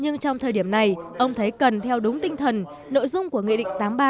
nhưng trong thời điểm này ông thấy cần theo đúng tinh thần nội dung của nghị định tám mươi ba